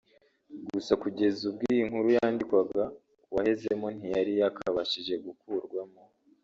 gusa kugeza ubwo iyi nkuru yandikwaga uwahezemo ntiyari yakabashije gukurwamo